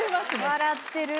笑ってる。